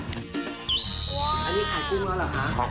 อันนี้ขายกุ้งแล้วเหรอคะ